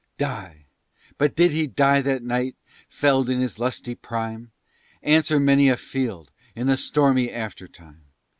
_ Die! did he die that night, felled in his lusty prime? Answer many a field in the stormy aftertime!